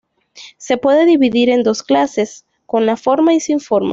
Se puede dividir en dos clases, con la forma y sin forma.